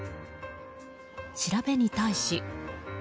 調べに対し。